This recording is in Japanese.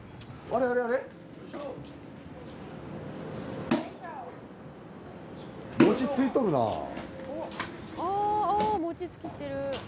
ああもちつきしてる。